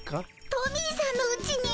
トミーさんのうちに？